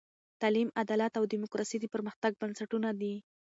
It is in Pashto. تعلیم، عدالت او دیموکراسي د پرمختګ بنسټونه دي.